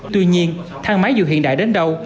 tuy nhiên thang máy dù hiện đại đến đâu